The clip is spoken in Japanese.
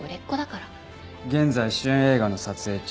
現在主演映画の撮影中。